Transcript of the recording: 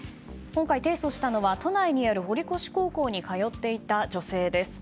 今回、提訴したのは都内にある堀越高校に通っていた女性です。